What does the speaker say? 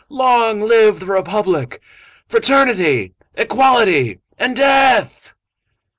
Long live the Republic! Fraternity! Equality! and Death!"